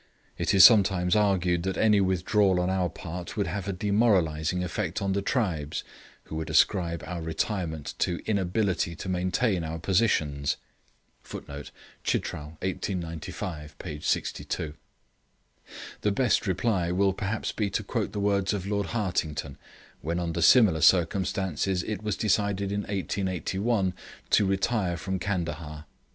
It is sometimes argued that any withdrawal on our part would have a demoralising effect on the tribes, who would ascribe our retirement to inability to maintain our positions. [Footnote: Chitral, 1895, page 62.] The best reply will perhaps be to quote the words of Lord Hartington, when under similar circumstances it was decided in 1881 to retire from Candahar.